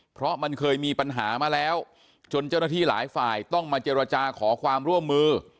เพราะมันเคยมีปัญหามาแล้วจนเจ้าหน้าที่หลายฝ่ายต้องมาเจรจาขอความร่วมมือ